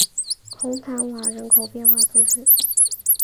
孔坦瓦人口变化图示